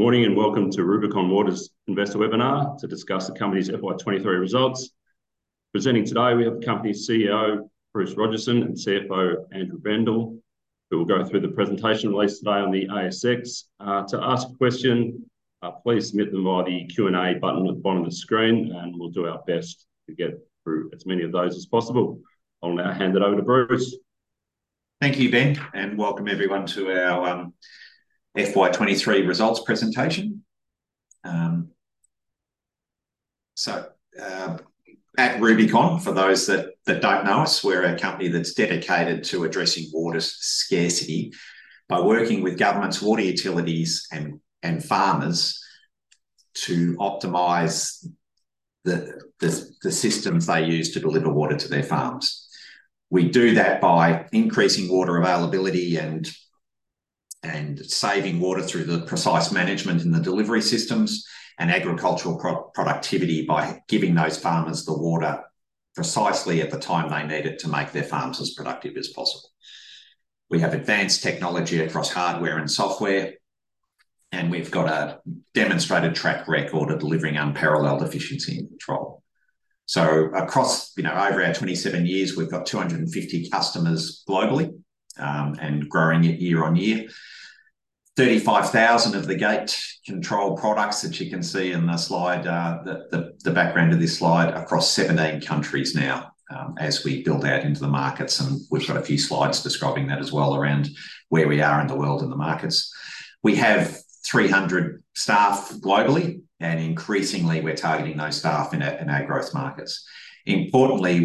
Morning and welcome to Rubicon Water's investor webinar to discuss the company's FY 2023 results. Presenting today, we have the company's CEO, Bruce Rodgerson, and CFO, Andrew Bendall, who will go through the presentation released today on the ASX. To ask a question, please submit them via the Q&A button at the bottom of the screen, and we'll do our best to get through as many of those as possible. I'll now hand it over to Bruce. Thank you, Ben, and welcome everyone to our FY 2023 results presentation. So at Rubicon, for those that don't know us, we're a company that's dedicated to addressing water scarcity by working with governments, water utilities, and farmers to optimize the systems they use to deliver water to their farms. We do that by increasing water availability and saving water through the precise management in the delivery systems and agricultural productivity by giving those farmers the water precisely at the time they need it to make their farms as productive as possible. We have advanced technology across hardware and software, and we've got a demonstrated track record of delivering unparalleled efficiency and control. So across over our 27 years, we've got 250 customers globally and growing it year on year. 35,000 of the gate control products that you can see in the background of this slide across 17 countries now, as we build out into the markets, and we've got a few slides describing that as well around where we are in the world and the markets. We have 300 staff globally, and increasingly we're targeting those staff in our growth markets. Importantly,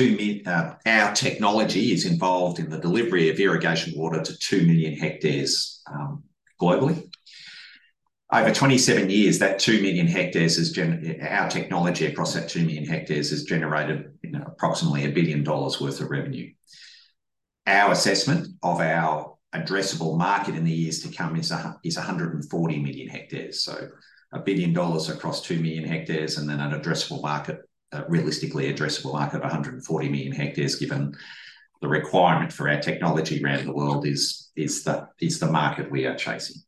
our technology is involved in the delivery of irrigation water to 2 million hectares globally. Over 27 years, our technology across that 2 million hectares has generated approximately 1 billion dollars worth of revenue. Our assessment of our addressable market in the years to come is 140 million hectares. So 1 billion dollars across 2 million hectares and then a realistically addressable market of 140 million hectares, given the requirement for our technology around the world is the market we are chasing.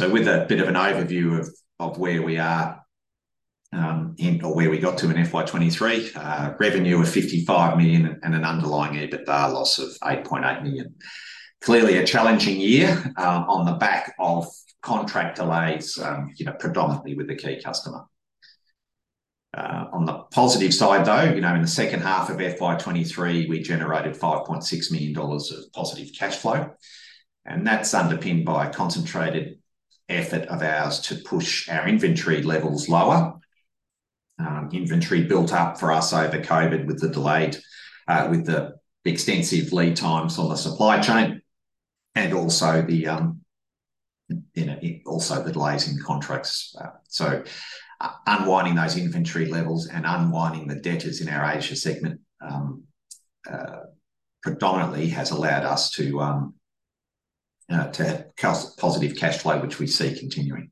With a bit of an overview of where we are or where we got to in FY 2023, revenue of 55 million and an underlying EBITDA loss of 8.8 million. Clearly a challenging year on the back of contract delays, predominantly with the key customer. On the positive side, though, in the second half of FY 2023, we generated 5.6 million dollars of positive cash flow, and that's underpinned by a concentrated effort of ours to push our inventory levels lower. Inventory built up for us over COVID with the delayed extensive lead times on the supply chain and also the delays in contracts. So unwinding those inventory levels and unwinding the debtors in our Asia segment predominantly has allowed us to have positive cash flow, which we see continuing.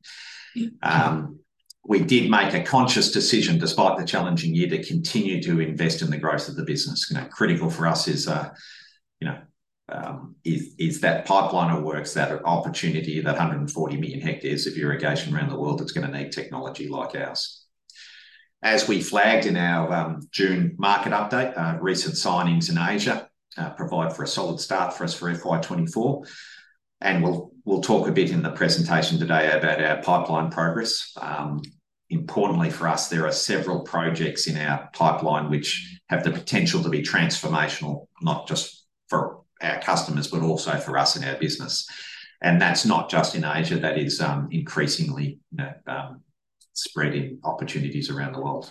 We did make a conscious decision, despite the challenging year, to continue to invest in the growth of the business. Critical for us is that pipeline of works, that opportunity, that 140 million hectares of irrigation around the world that's going to need technology like ours. As we flagged in our June market update, recent signings in Asia provide for a solid start for us for FY 2024, and we'll talk a bit in the presentation today about our pipeline progress. Importantly for us, there are several projects in our pipeline which have the potential to be transformational, not just for our customers, but also for us in our business, and that's not just in Asia; that is increasingly spreading opportunities around the world.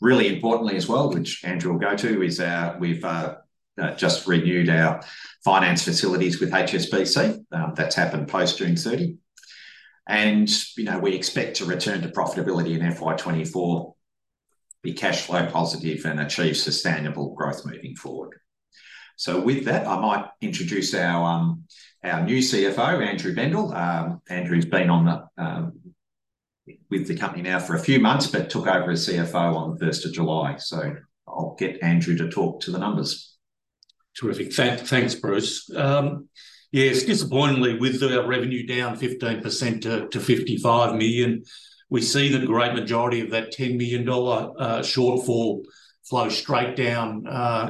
Really importantly as well, which Andrew will go to, is we've just renewed our finance facilities with HSBC. That's happened post June 30, and we expect to return to profitability in FY 2024, be cash flow positive, and achieve sustainable growth moving forward. So with that, I might introduce our new CFO, Andrew Bendall. Andrew's been with the company now for a few months, but took over as CFO on the 1st of July. So I'll get Andrew to talk to the numbers. Terrific. Thanks, Bruce. Yes, disappointingly, with the revenue down 15% to 55 million, we see the great majority of that 10 million dollar shortfall flow straight down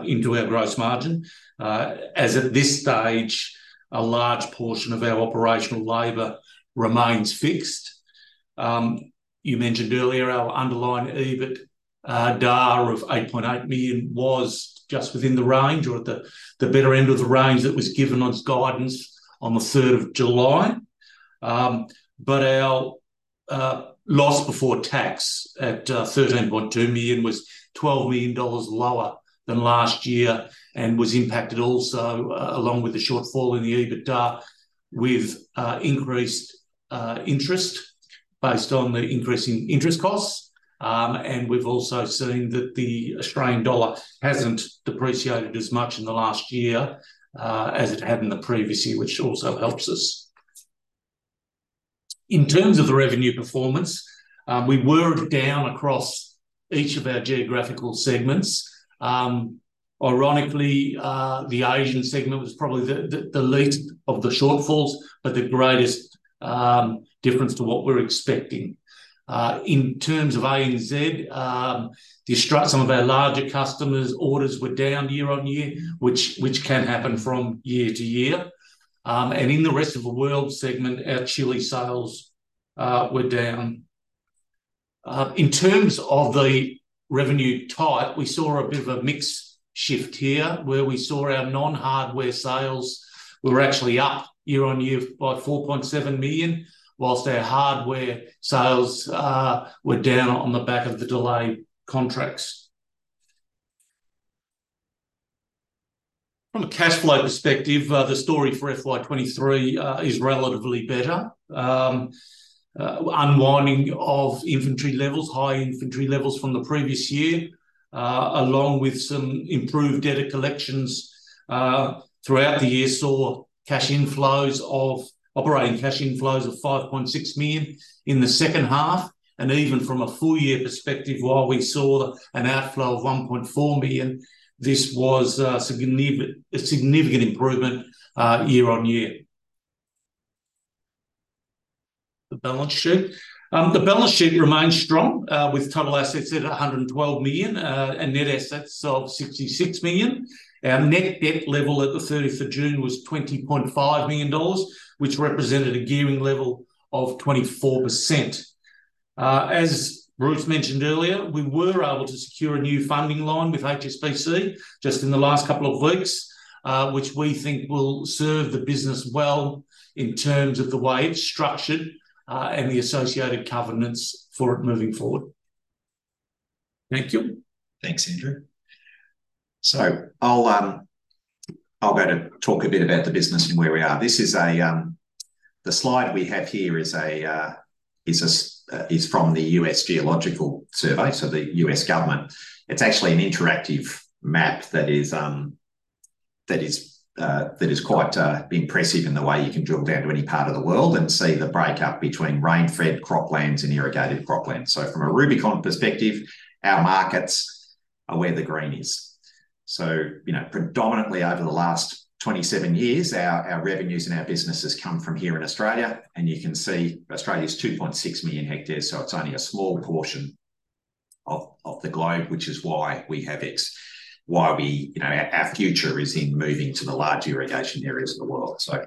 into our gross margin. As at this stage, a large portion of our operational labor remains fixed. You mentioned earlier our underlying EBITDA of 8.8 million was just within the range or at the better end of the range that was given on guidance on the 3rd of July, but our loss before tax at 13.2 million was 12 million dollars lower than last year and was impacted also along with the shortfall in the EBITDA with increased interest based on the increasing interest costs, and we've also seen that the Australian dollar hasn't depreciated as much in the last year as it had in the previous year, which also helps us. In terms of the revenue performance, we were down across each of our geographical segments. Ironically, the Asian segment was probably the least of the shortfalls, but the greatest difference to what we're expecting. In terms of ANZ, some of our larger customers' orders were down year on year, which can happen from year to year, and in the rest of the world segment, our Chile sales were down. In terms of the revenue type, we saw a bit of a mixed shift here where we saw our non-hardware sales were actually up year on year by 4.7 million, while our hardware sales were down on the back of the delayed contracts. From a cash flow perspective, the story for FY 2023 is relatively better. Unwinding of high inventory levels from the previous year, along with some improved debtor collections throughout the year, saw operating cash inflows of 5.6 million in the second half. Even from a full year perspective, while we saw an outflow of 1.4 million, this was a significant improvement year on year. The balance sheet remained strong with total assets at 112 million and net assets of 66 million. Our net debt level at the 30th of June was AUD 20.5 million, which represented a gearing level of 24%. As Bruce mentioned earlier, we were able to secure a new funding line with HSBC just in the last couple of weeks, which we think will serve the business well in terms of the way it's structured and the associated covenants for it moving forward. Thank you. Thanks, Andrew. So I'll go to talk a bit about the business and where we are. The slide we have here is from the U.S. Geological Survey, so the U.S. government. It's actually an interactive map that is quite impressive in the way you can drill down to any part of the world and see the breakup between rain-fed croplands and irrigated croplands. So from a Rubicon perspective, our markets are where the green is. So predominantly over the last 27 years, our revenues and our business has come from here in Australia, and you can see Australia's 2.6 million hectares, so it's only a small portion of the globe, which is why we have X, why our future is in moving to the large irrigation areas of the world. So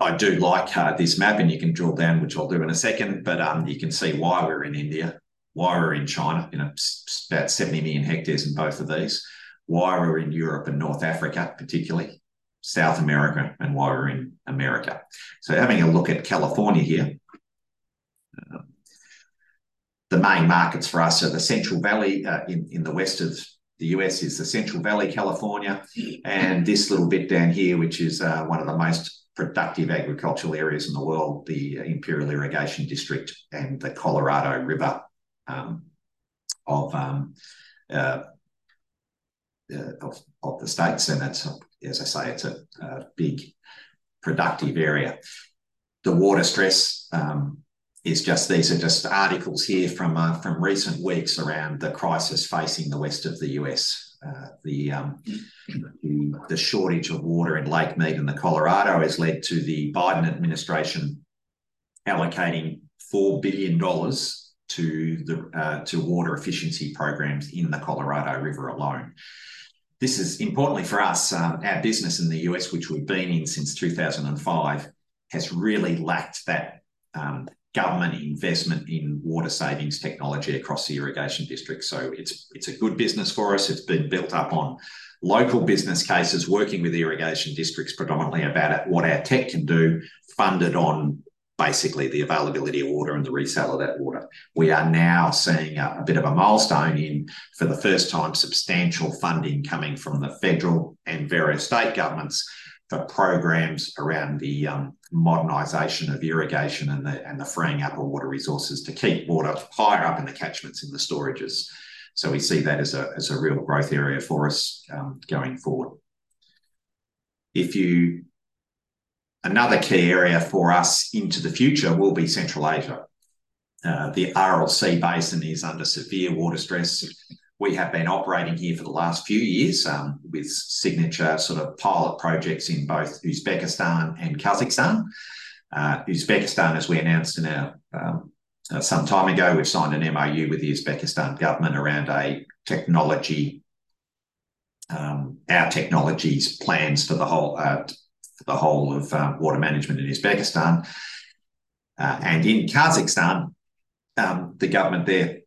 I do like this map, and you can drill down, which I'll do in a second, but you can see why we're in India, why we're in China, about 70 million hectares in both of these, why we're in Europe and North Africa, particularly South America, and why we're in America. So having a look at California here, the main markets for us are the Central Valley in the west of the U.S., is the Central Valley, California, and this little bit down here, which is one of the most productive agricultural areas in the world, the Imperial Irrigation District and the Colorado River of the states. And as I say, it's a big productive area. The water stress is just these are just articles here from recent weeks around the crisis facing the west of the U.S. The shortage of water in Lake Mead and the Colorado has led to the Biden administration allocating $4 billion to water efficiency programs in the Colorado River alone. This is importantly for us. Our business in the U.S., which we've been in since 2005, has really lacked that government investment in water savings technology across the irrigation districts. So it's a good business for us. It's been built up on local business cases, working with irrigation districts predominantly about what our tech can do, funded on basically the availability of water and the resale of that water. We are now seeing a bit of a milestone in, for the first time, substantial funding coming from the federal and various state governments for programs around the modernization of irrigation and the freeing up of water resources to keep water higher up in the catchments and the storages. So we see that as a real growth area for us going forward. Another key area for us into the future will be Central Asia. The Aral Sea Basin is under severe water stress. We have been operating here for the last few years with signature sort of pilot projects in both Uzbekistan and Kazakhstan. Uzbekistan, as we announced some time ago, we've signed an MOU with the Uzbekistan government around our technologies plans for the whole of water management in Uzbekistan. And in Kazakhstan, the government there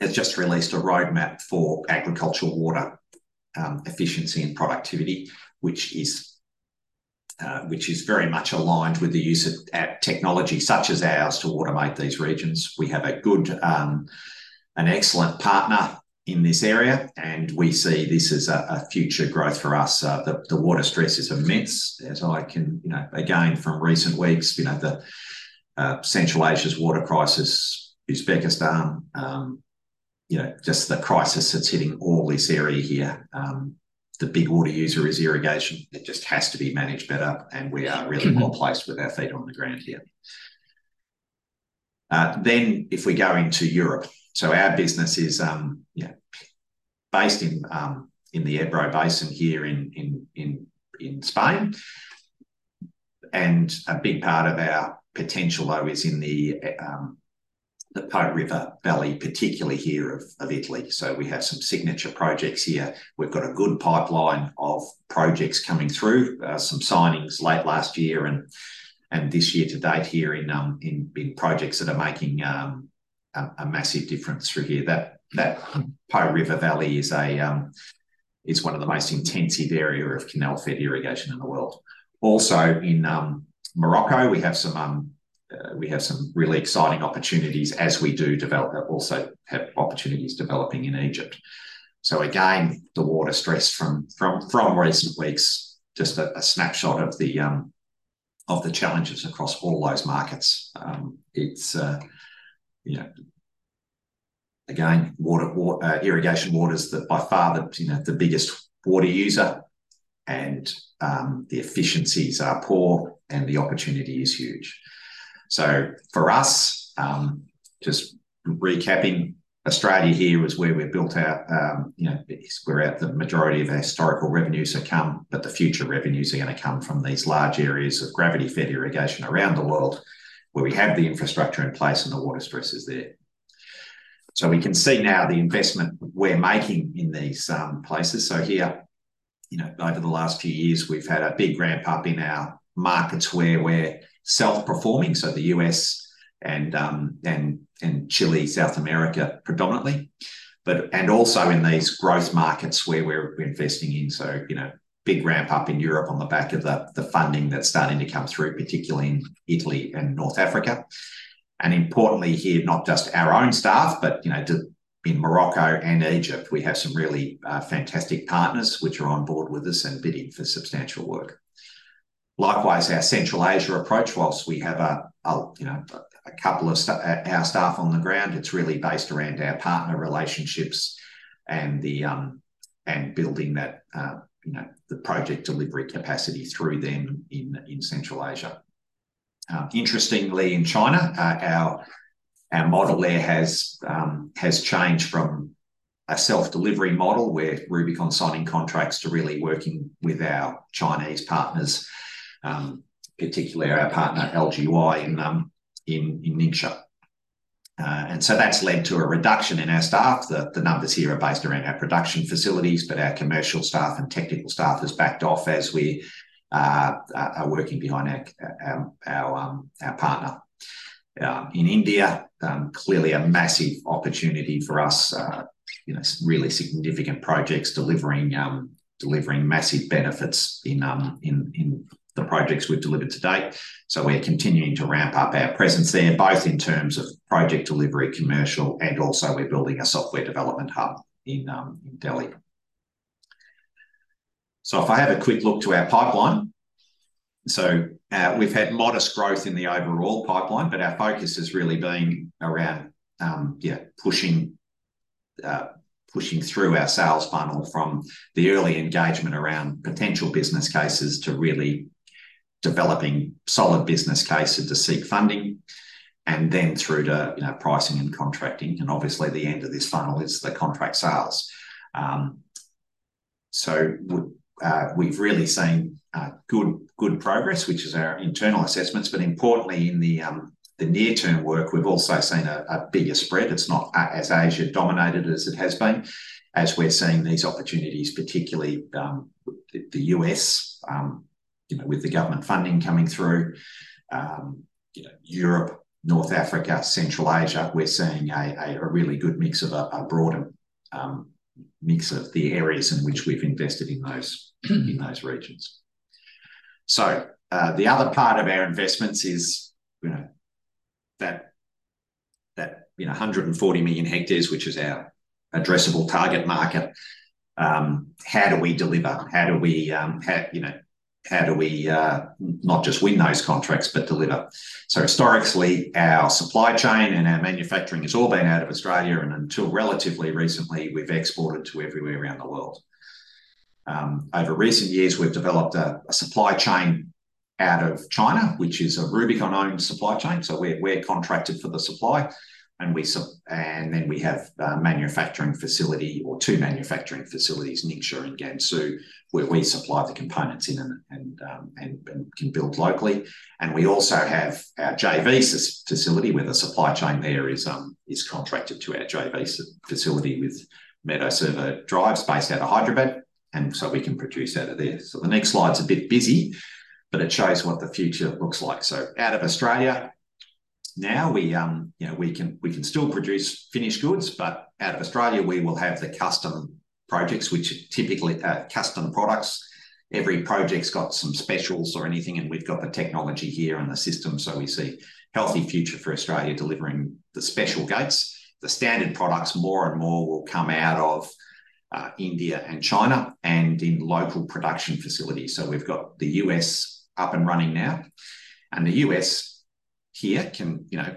has just released a roadmap for agricultural water efficiency and productivity, which is very much aligned with the use of technology such as ours to automate these regions. We have an excellent partner in this area, and we see this as a future growth for us. The water stress is immense. As I can see again from recent weeks, Central Asia's water crisis. Uzbekistan, just the crisis that's hitting all this area here. The big water user is irrigation. It just has to be managed better, and we are really well placed with our feet on the ground here. Then if we go into Europe, so our business is based in the Ebro Basin here in Spain. And a big part of our potential, though, is in the Po River Valley, particularly in Italy. So we have some signature projects here. We've got a good pipeline of projects coming through, some signings late last year and this year to date here in projects that are making a massive difference through here. That Po River Valley is one of the most intensive area of canal-fed irrigation in the world. Also in Morocco, we have some really exciting opportunities as we do develop. Also have opportunities developing in Egypt. So again, the water stress from recent weeks, just a snapshot of the challenges across all those markets. Again, irrigation water is by far the biggest water user, and the efficiencies are poor, and the opportunity is huge. So for us, just recapping, Australia here is where we're at the majority of our historical revenues have come, but the future revenues are going to come from these large areas of gravity-fed irrigation around the world where we have the infrastructure in place and the water stress is there. So we can see now the investment we're making in these places. So here, over the last few years, we've had a big ramp up in our markets where we're self-performing, so the U.S. and Chile, South America predominantly, and also in these growth markets where we're investing in. So big ramp up in Europe on the back of the funding that's starting to come through, particularly in Italy and North Africa. And importantly here, not just our own staff, but in Morocco and Egypt, we have some really fantastic partners which are on board with us and bidding for substantial work. Likewise, our Central Asia approach, whilst we have a couple of our staff on the ground, it's really based around our partner relationships and building the project delivery capacity through them in Central Asia. Interestingly, in China, our model there has changed from a self-delivery model where Rubicon signing contracts to really working with our Chinese partners, particularly our partner LGY in Ningxia. And so that's led to a reduction in our staff. The numbers here are based around our production facilities, but our commercial staff and technical staff has backed off as we are working behind our partner. In India, clearly a massive opportunity for us, really significant projects delivering massive benefits in the projects we've delivered to date. So we're continuing to ramp up our presence there, both in terms of project delivery, commercial, and also we're building a software development hub in Delhi. If I have a quick look to our pipeline, we've had modest growth in the overall pipeline, but our focus has really been around pushing through our sales funnel from the early engagement around potential business cases to really developing solid business cases to seek funding, and then through to pricing and contracting. Obviously, the end of this funnel is the contract sales. We've really seen good progress, which is our internal assessments. Importantly, in the near-term work, we've also seen a bigger spread. It's not as Asia-dominated as it has been as we're seeing these opportunities, particularly the U.S. with the government funding coming through Europe, North Africa, Central Asia. We're seeing a really good mix of a broader mix of the areas in which we've invested in those regions. So the other part of our investments is that 140 million hectares, which is our addressable target market. How do we deliver? How do we not just win those contracts, but deliver? So historically, our supply chain and our manufacturing has all been out of Australia, and until relatively recently, we've exported to everywhere around the world. Over recent years, we've developed a supply chain out of China, which is a Rubicon-owned supply chain. So we're contracted for the supply, and then we have a manufacturing facility or two manufacturing facilities, Ningxia and Gansu, where we supply the components in and can build locally. And we also have our JV facility where the supply chain there is contracted to our JV facility with Medha Servo Drives based out of Hyderabad, and so we can produce out of there. So the next slide's a bit busy, but it shows what the future looks like. So out of Australia, now we can still produce finished goods, but out of Australia, we will have the custom projects, which are typically custom products. Every project's got some specials or anything, and we've got the technology here and the system, so we see a healthy future for Australia delivering the special gates. The standard products more and more will come out of India and China and in local production facilities. So we've got the U.S. up and running now. And the U.S. here,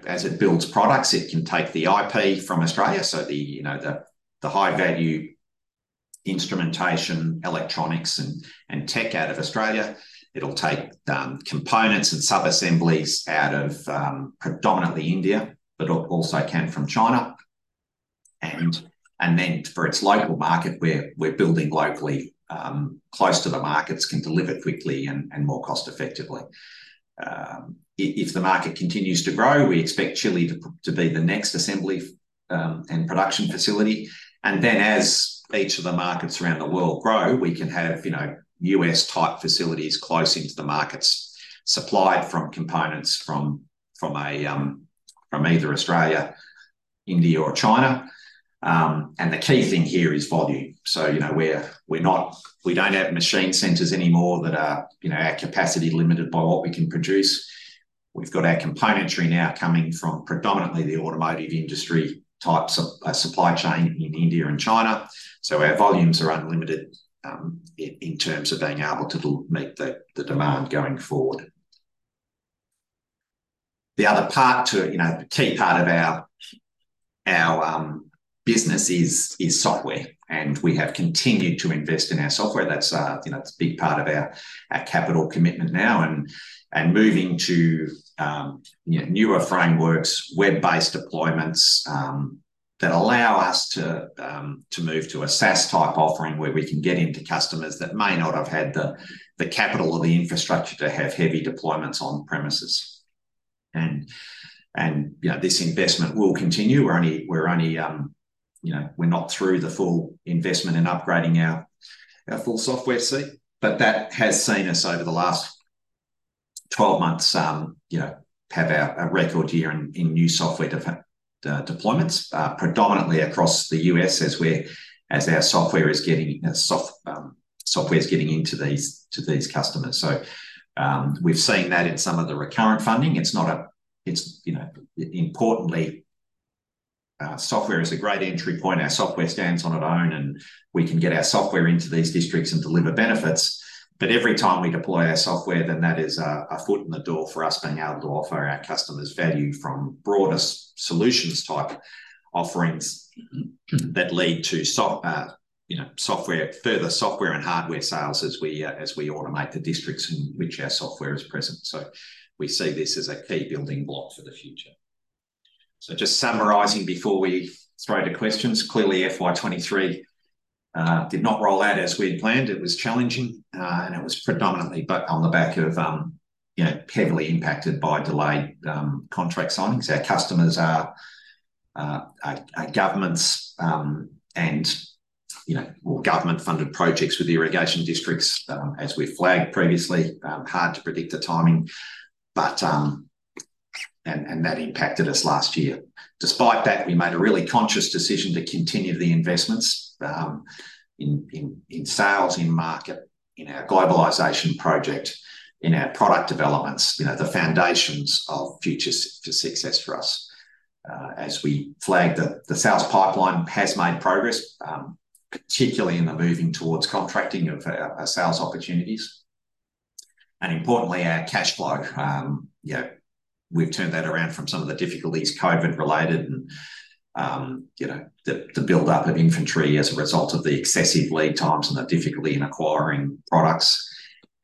as it builds products, it can take the IP from Australia, so the high-value instrumentation, electronics, and tech out of Australia. It'll take components and subassemblies out of predominantly India, but also can from China. And then, for its local market, we're building locally close to the markets. We can deliver quickly and more cost-effectively. If the market continues to grow, we expect Chile to be the next assembly and production facility. And then, as each of the markets around the world grow, we can have U.S.-type facilities close to the markets supplied from components from either Australia, India, or China. And the key thing here is volume. So, we don't have machine centers anymore that are capacity limited by what we can produce. We've got our componentry now coming from predominantly the automotive industry type supply chain in India and China. So, our volumes are unlimited in terms of being able to meet the demand going forward. The other part, the key part of our business is software, and we have continued to invest in our software. That's a big part of our capital commitment now and moving to newer frameworks, web-based deployments that allow us to move to a SaaS-type offering where we can get into customers that may not have had the capital or the infrastructure to have heavy deployments on premises. And this investment will continue. We're not through the full investment in upgrading our full software suite, but that has seen us over the last 12 months have a record year in new software deployments, predominantly across the U.S. as our software is getting into these customers. So we've seen that in some of the recurrent funding. It's not a importantly, software is a great entry point. Our software stands on its own, and we can get our software into these districts and deliver benefits. But every time we deploy our software, then that is a foot in the door for us being able to offer our customers value from broader solutions-type offerings that lead to further software and hardware sales as we automate the districts in which our software is present. So we see this as a key building block for the future. So just summarizing before we throw to questions, clearly FY 2023 did not roll out as we had planned. It was challenging, and it was predominantly on the back of heavily impacted by delayed contract signings. Our customers are governments and government-funded projects with irrigation districts, as we've flagged previously. Hard to predict the timing, and that impacted us last year. Despite that, we made a really conscious decision to continue the investments in sales, in market, in our globalization project, in our product developments, the foundations of future success for us. As we flagged, the SaaS pipeline has made progress, particularly in the moving towards contracting of our sales opportunities. And importantly, our cash flow, we've turned that around from some of the difficulties COVID-related and the buildup of inventory as a result of the excessive lead times and the difficulty in acquiring products.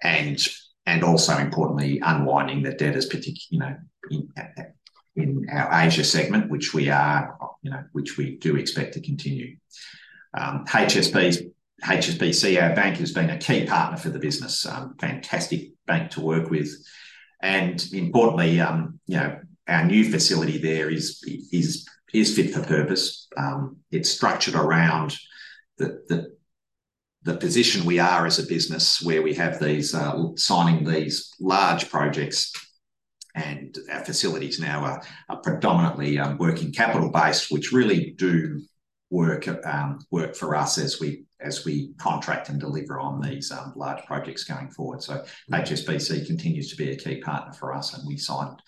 And also, importantly, unwinding the debtors in our Asia segment, which we do expect to continue. HSBC, our bank, has been a key partner for the business, fantastic bank to work with. And importantly, our new facility there is fit for purpose. It's structured around the position we are as a business where we have signing these large projects, and our facilities now are predominantly working capital-based, which really do work for us as we contract and deliver on these large projects going forward. HSBC continues to be a key partner for us, and we signed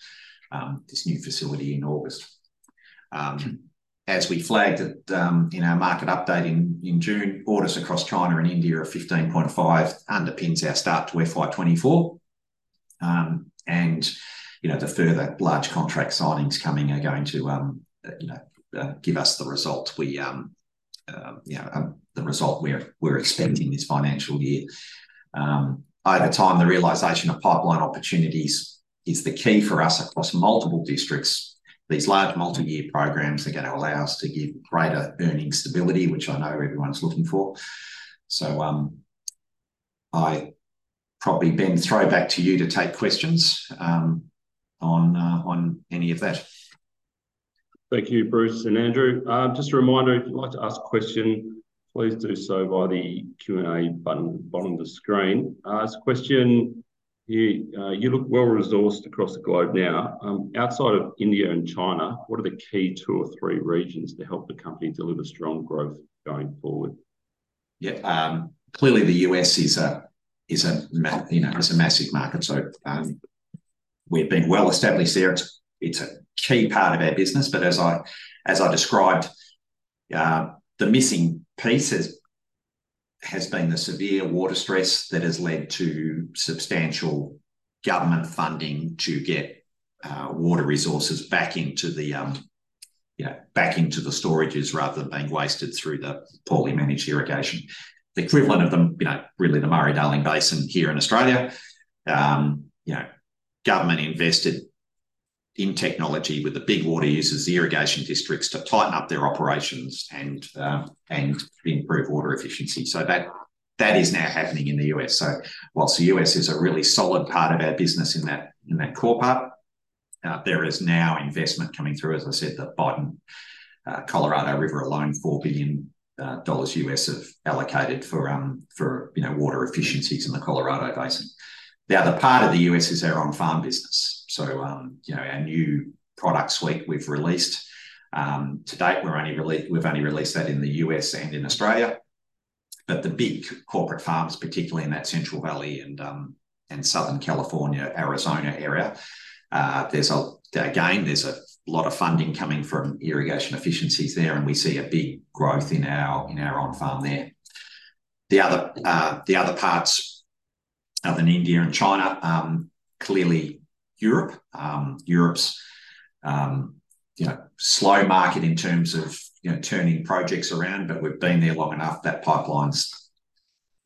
this new facility in August. As we flagged in our market update in June, orders across China and India are 15.5, underpins our start to FY 2024. And the further large contract signings coming are going to give us the result we're expecting this financial year. Over time, the realization of pipeline opportunities is the key for us across multiple districts. These large multi-year programs are going to allow us to give greater earnings stability, which I know everyone's looking for. So I'll probably then throw back to you to take questions on any of that. Thank you, Bruce and Andrew. Just a reminder, if you'd like to ask a question, please do so by the Q&A button at the bottom of the screen. A question: You look well-resourced across the globe now. Outside of India and China, what are the key two or three regions to help the company deliver strong growth going forward? Yeah, clearly, the U.S. is a massive market. So we've been well-established there. It's a key part of our business. But as I described, the missing piece has been the severe water stress that has led to substantial government funding to get water resources back into the storages rather than being wasted through the poorly managed irrigation. The equivalent of really the Murray-Darling Basin here in Australia, government invested in technology with the big water users, the irrigation districts, to tighten up their operations and improve water efficiency. So that is now happening in the U.S. So while the U.S. is a really solid part of our business in that core part, there is now investment coming through, as I said, the Biden Colorado River alone, $4 billion U.S. have allocated for water efficiencies in the Colorado Basin. The other part of the U.S. is our on-farm business. So our new product suite we've released to date, we've only released that in the U.S. and in Australia. But the big corporate farms, particularly in that Central Valley and Southern California, Arizona area, again, there's a lot of funding coming from irrigation efficiencies there, and we see a big growth in our on-farm there. The other parts are in India and China, clearly Europe, Europe's slow market in terms of turning projects around, but we've been there long enough that pipeline's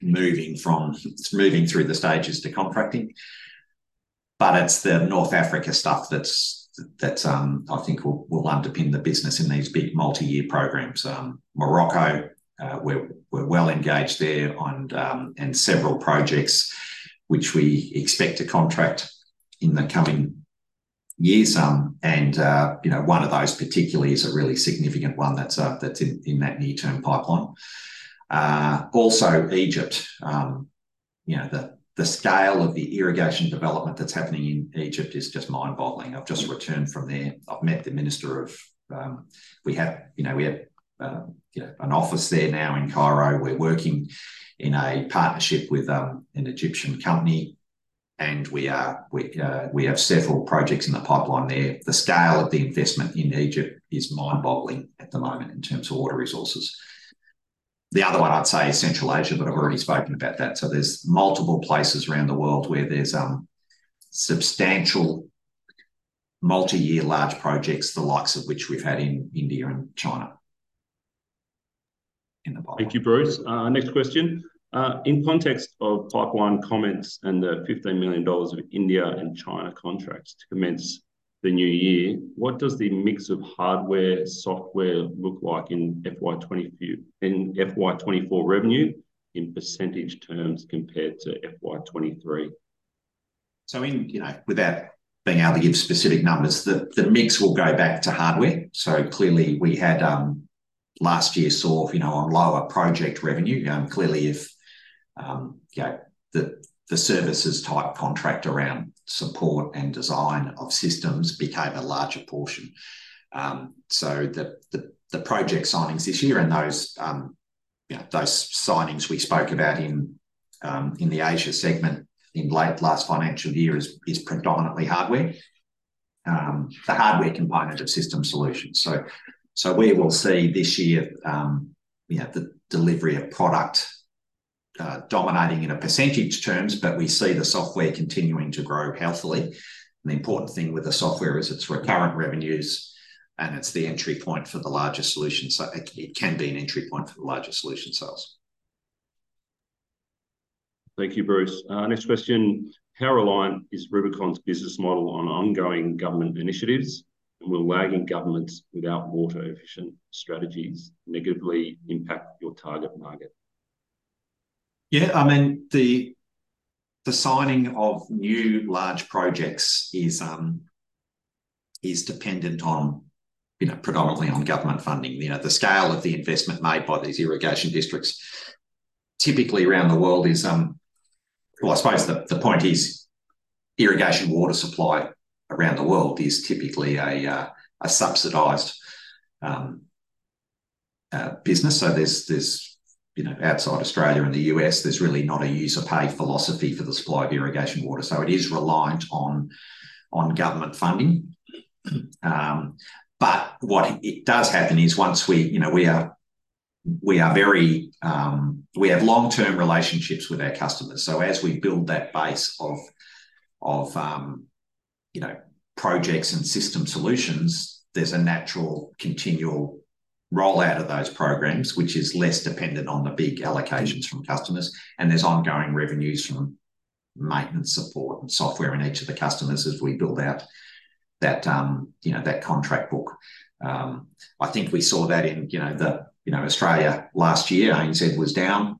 moving through the stages to contracting. But it's the North Africa stuff that's, I think, will underpin the business in these big multi-year programs. Morocco, we're well engaged there and several projects which we expect to contract in the coming years. And one of those particularly is a really significant one that's in that near-term pipeline. Also, Egypt, the scale of the irrigation development that's happening in Egypt is just mind-boggling. I've just returned from there. I've met the minister. We have an office there now in Cairo. We're working in a partnership with an Egyptian company, and we have several projects in the pipeline there. The scale of the investment in Egypt is mind-boggling at the moment in terms of water resources. The other one I'd say is Central Asia, but I've already spoken about that. There's multiple places around the world where there's substantial multi-year large projects, the likes of which we've had in India and China in the pipeline. Thank you, Bruce. Next question. In context of pipeline comments and the 15 million dollars of India and China contracts to commence the new year, what does the mix of hardware, software look like in FY 2024 revenue in percentage terms compared to FY 2023? With that, being able to give specific numbers, the mix will go back to hardware. Clearly, we had last year saw a lower project revenue. Clearly, if the services-type contract around support and design of systems became a larger portion. The project signings this year and those signings we spoke about in the Asia segment in late last financial year is predominantly hardware, the hardware component of system solutions. So we will see this year the delivery of product dominating in percentage terms, but we see the software continuing to grow healthily. And the important thing with the software is its recurrent revenues, and it's the entry point for the larger solutions. So it can be an entry point for the larger solution sales. Thank you, Bruce. Next question. How reliant is Rubicon's business model on ongoing government initiatives? Will lagging governments without water-efficient strategies negatively impact your target market? Yeah, I mean, the signing of new large projects is dependent predominantly on government funding. The scale of the investment made by these irrigation districts typically around the world is, well, I suppose the point is irrigation water supply around the world is typically a subsidized business. So outside Australia and the U.S., there's really not a user-pays philosophy for the supply of irrigation water. So it is reliant on government funding. But what does happen is, once we have very long-term relationships with our customers. So as we build that base of projects and system solutions, there's a natural continual rollout of those programs, which is less dependent on the big allocations from customers. And there's ongoing revenues from maintenance support and software in each of the customers as we build out that contract book. I think we saw that in Australia last year. ANZ it was down.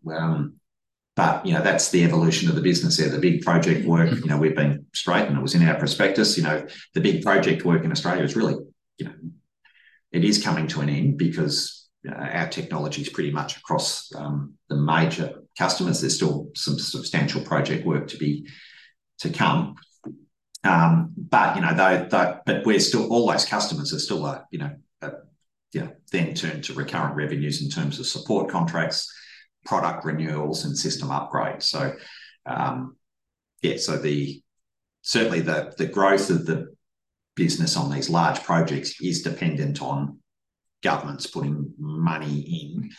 But that's the evolution of the business there. The big project work, we've been straight, and it was in our prospectus. The big project work in Australia is really coming to an end because our technology is pretty much across the major customers. There's still some substantial project work to come. But we're still all those customers are still then turned to recurrent revenues in terms of support contracts, product renewals, and system upgrades. So yeah, so certainly the growth of the business on these large projects is dependent on governments putting money in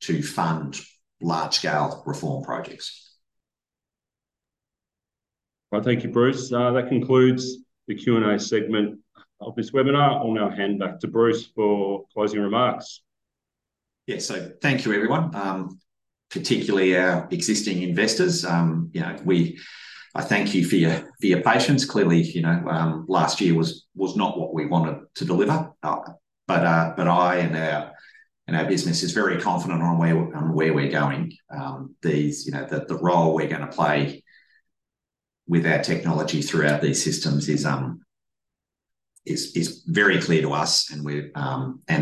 to fund large-scale reform projects. Well, thank you, Bruce. That concludes the Q&A segment of this webinar. I'll now hand back to Bruce for closing remarks. Yeah, so thank you, everyone, particularly our existing investors. I thank you for your patience. Clearly, last year was not what we wanted to deliver. But I and our business are very confident on where we're going. The role we're going to play with our technology throughout these systems is very clear to us, and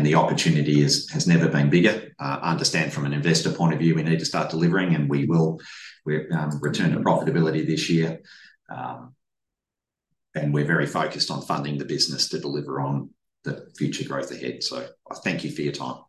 the opportunity has never been bigger. I understand from an investor point of view, we need to start delivering, and we will return to profitability this year, and we're very focused on funding the business to deliver on the future growth ahead, so I thank you for your time.